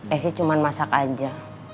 esy cuma masak aja